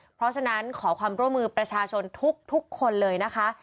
เพราะฉะนั้นขอความร่วมมือประชาชนทุกคนเลยนะคะ